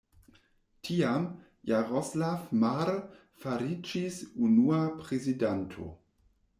Tiam, Jaroslav Mar fariĝis unua prezidanto.